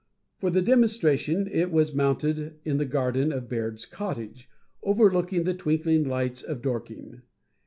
For the demonstration it was mounted in the garden of Baird's cottage, overlooking the twinkling lights of Dorking.